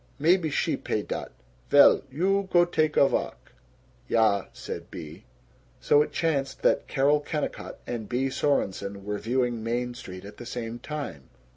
Maybe she pay dat. Vell. You go take a valk." "Ya," said Bea. So it chanced that Carol Kennicott and Bea Sorenson were viewing Main Street at the same time.